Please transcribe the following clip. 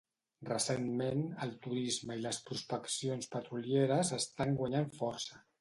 Recentment, el turisme i les prospeccions petrolieres estan guanyant força.